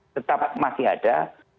tetap masih ada